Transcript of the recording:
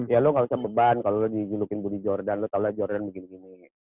ya lo gak usah beban kalau dijulukin budi jordan lo tahulah jordan begini begini